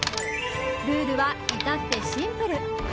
ルールは至ってシンプル。